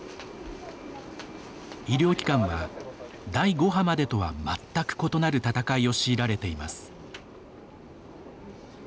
医療機関は第５波までとは全く異なる闘いを強いられています。